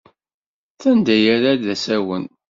S anda yerra d asawen.